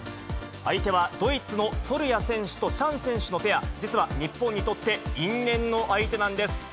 相手はドイツのソルヤ選手とシャン選手のペア、実は日本にとって、因縁の相手なんです。